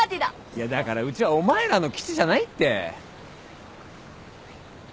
いやだからうちはお前らの基地じゃないって。